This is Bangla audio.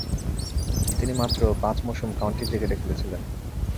তিনি মাত্র পাঁচ মৌসুম কাউন্টি ক্রিকেটে খেলেছিলেন।